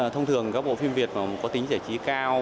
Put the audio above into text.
thông thường các bộ phim việt có tính giải trí cao